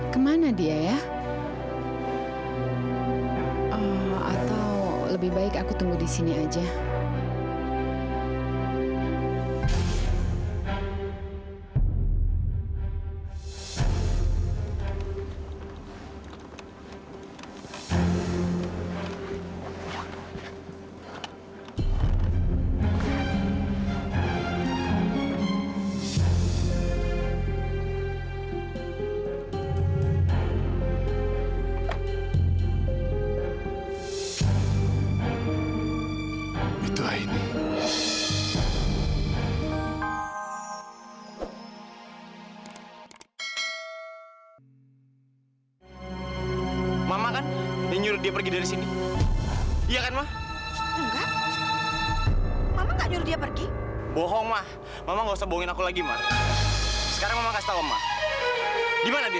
sampai jumpa di video selanjutnya